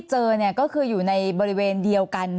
เจอก็คืออยู่ในบริเวณเดียวกัน